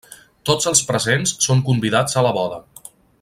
Tots els presents són convidats a la boda.